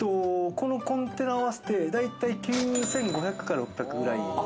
このコンテナ合わせて大体９５００６００くらい。